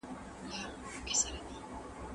آیا ساینس تر هنر سخت دی؟